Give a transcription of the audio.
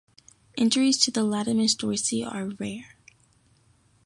Injuries to the latissimus dorsi are rare.